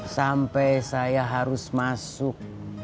sampai saya harus masuk